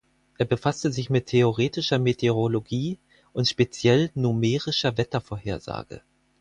Er befasste sich mit theoretischer Meteorologie und speziell numerischer Wettervorhersage.